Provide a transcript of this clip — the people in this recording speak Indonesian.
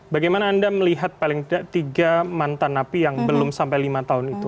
bagaimana anda melihat paling tidak tiga mantan napi yang belum sampai lima tahun itu